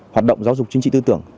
hoạt động giáo dục chính trị tư tưởng